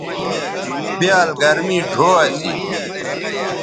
بیال گرمی ڙھو اسی